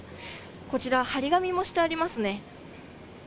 こちら、貼り紙もしてありますね。